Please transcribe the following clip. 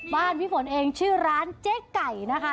พี่ฝนเองชื่อร้านเจ๊ไก่นะคะ